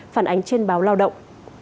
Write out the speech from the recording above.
phản ánh trên báo lao động